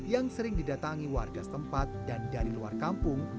yang sering didatangi warga setempat dan dari luar kampung